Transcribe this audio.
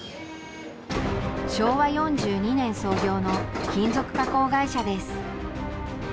昭和４２年創業の金属加工会社です。